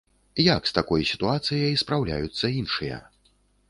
Як з такой сітуацыяй спраўляюцца іншыя?